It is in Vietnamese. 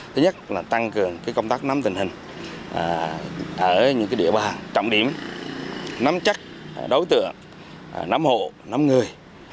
thứ nhất là tăng cường công tác nắm tình hình ở những địa bàn trọng điểm nắm chắc đối tượng nắm hộ nắm người